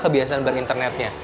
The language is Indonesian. biasa dengan internetnya